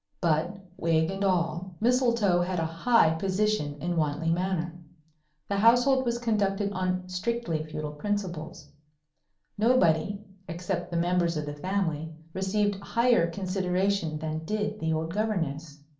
But, wig and all, Mistletoe had a high position in Wantley Manor. The household was conducted on strictly feudal principles. Nobody, except the members of the family, received higher consideration than did the old Governess.